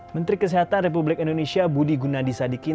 menteri kesehatan republik indonesia budi gunadi sadikin